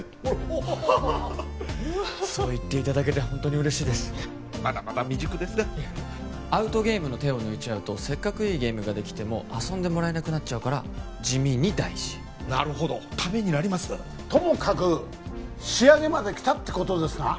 ハハハそう言っていただけてホントに嬉しいですまだまだ未熟ですがアウトゲームの手を抜いちゃうとせっかくいいゲームができても遊んでもらえなくなっちゃうから地味に大事なるほどためになりますともかく仕上げまできたってことですな